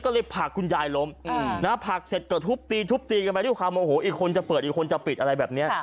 ก็เลยผากคุณยายลมผากเสร็จก็ทุบตีกันไปอีกคนจะเปิดอีกคนจะปิดอะไรแบบเนี่ย